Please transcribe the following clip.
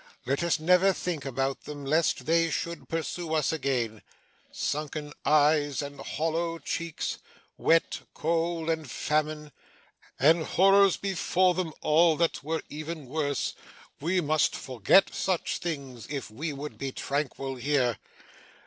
Let us never think about them, lest they should pursue us again. Sunken eyes and hollow cheeks wet, cold, and famine and horrors before them all, that were even worse we must forget such things if we would be tranquil here.